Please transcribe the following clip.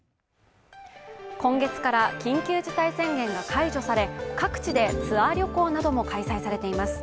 今月から緊急事態宣言が解除され各地でツアー旅行なども開催されています。